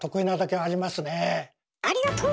ありがとう！